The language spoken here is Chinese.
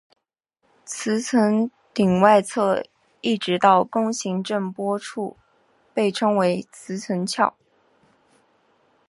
磁层顶外侧一直到弓形震波处被称磁层鞘。